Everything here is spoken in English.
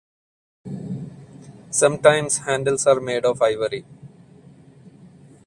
Sometimes handles are made of ivory.